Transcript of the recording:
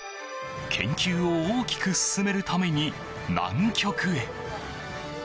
研究を大きく進めるために南極へ。